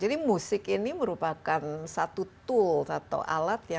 jadi musik ini merupakan satu tool atau alat yang bisa kita gunakan